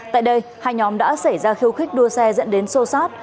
tại đây hai nhóm đã xảy ra khiêu khích đua xe dẫn đến sô sát